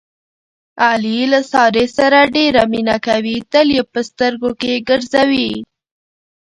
علي له سارې سره ډېره مینه کوي، تل یې په سترګو کې ګرځوي.